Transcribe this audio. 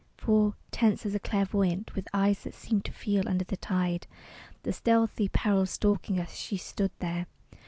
For, tense as a clairvoyant, With eyes that seemed to feel under the tide The stealthy peril stalking us, she stood there.